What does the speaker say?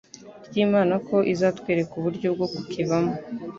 ry’Imana ko izatwereka uburyo bwo kukivamo.